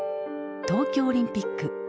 東京オリンピック。